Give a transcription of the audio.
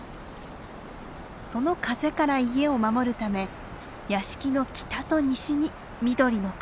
その風から家を守るため屋敷の北と西に緑の壁